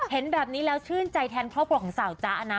เห็นแบบนี้แล้วชื่นใจแทนครอบครัวของสาวจ๊ะนะ